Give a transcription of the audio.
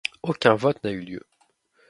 Aucun vote n'a eu lieu.